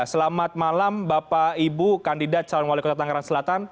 selamat malam bapak ibu kandidat calon wali kota tangerang selatan